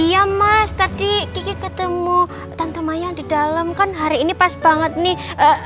iya mas tadi kiki ketemu tante mayang di dalam kan hari ini pas banget nih